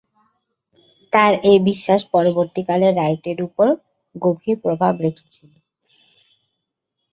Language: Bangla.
তার এ বিশ্বাস পরবর্তীকালে রাইটের উপর গভীর প্রভাব রেখেছিল।